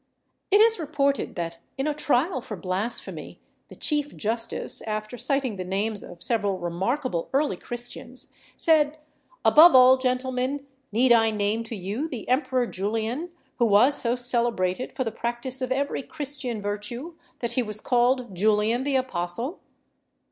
It is reported that in a trial for blasphemy the Chief Justice, after citing the names of several remarkable early Christians, said, "Above all, gentlemen, need I name to you the Emperor Julian, who was so celebrated for the practice of every Christian virtue that he was called Julian the Apostle?"